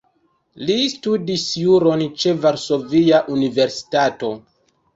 Li studis juron ĉe Varsovia Universitato.